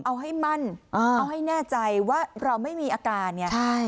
เอาให้มั่นเอาให้แน่ใจว่าเราไม่มีอากาศ